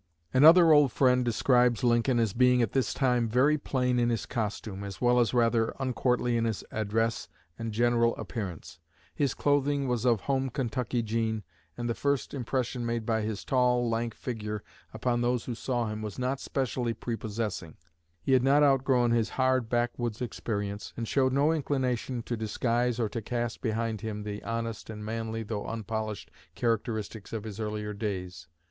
Another old friend describes Lincoln as being at this time "very plain in his costume, as well as rather uncourtly in his address and general appearance. His clothing was of home Kentucky jean, and the first impression made by his tall, lank figure upon those who saw him was not specially prepossessing. He had not outgrown his hard backwoods experience, and showed no inclination to disguise or to cast behind him the honest and manly though unpolished characteristics of his earlier days.